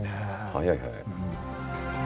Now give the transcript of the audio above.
早い早い。